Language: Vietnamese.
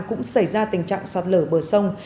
cũng xảy ra tình trạng sạt lở bờ sông